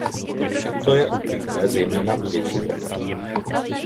Toto je obvyklé zejména u větších obcí.